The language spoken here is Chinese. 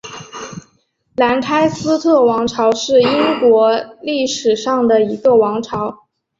兰开斯特王朝是英国历史上的一个王朝。